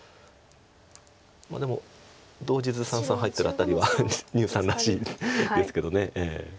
でも動じず三々入ってる辺りは牛さんらしいですけど。